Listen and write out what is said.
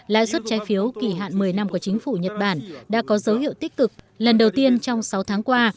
lãi suất trái phiếu kỳ hạn một mươi năm của chính phủ nhật bản đã có dấu hiệu tích cực lần đầu tiên trong sáu tháng qua